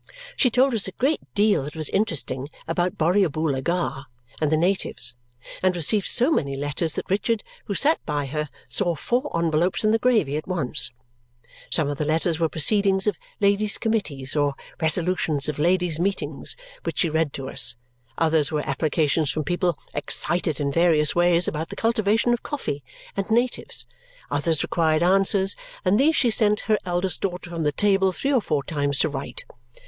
She told us a great deal that was interesting about Borrioboola Gha and the natives, and received so many letters that Richard, who sat by her, saw four envelopes in the gravy at once. Some of the letters were proceedings of ladies' committees or resolutions of ladies' meetings, which she read to us; others were applications from people excited in various ways about the cultivation of coffee, and natives; others required answers, and these she sent her eldest daughter from the table three or four times to write.